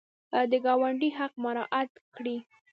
د ګاونډي حق مراعات کړئ